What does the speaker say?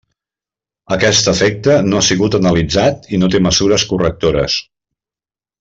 Aquest efecte no ha sigut analitzat i no té mesures correctores.